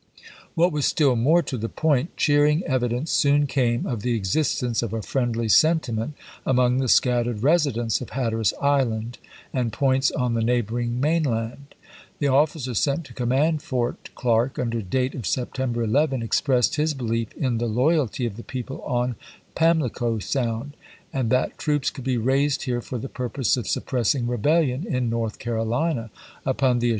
What was stiU more to the point, cheering evidence soon came of the existence of a friendly sentiment among the scattered residents of Hatteras Island and points on the neighboring mainland. The officer sent to command Fort Clark, under date of September 11, expressed his belief in the loy alty of the people on Pamhco Sound, and " that troops could be raised here for the purpose of sup ^f^S^ pressing rebelUon in North Carolina, upon the as i86i.